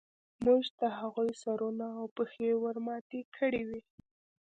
موږ د هغوی سرونه او پښې ورماتې کړې وې